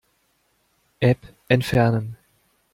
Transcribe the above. App entfernen.